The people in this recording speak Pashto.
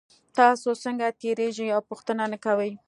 تاسو څنګه تیریږئ او پوښتنه نه کوئ